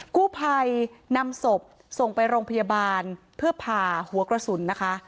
กู้ภัยนำศพส่งไปโรงพยาบาลเพื่อผ่าหัวกระสุนนะคะ